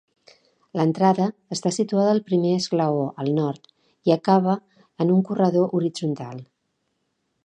L'entrada està situada al primer esglaó, al nord, i acaba en un corredor horitzontal.